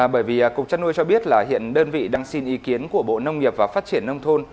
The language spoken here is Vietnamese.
bởi vì cục chăn nuôi cho biết là hiện đơn vị đang xin ý kiến của bộ nông nghiệp và phát triển nông thôn